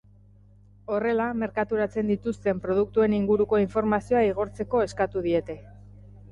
Horrela, merkaturatzen dituzten produktuen inguruko informazioa igortzeko eskatu diete erkidegoko bankuei.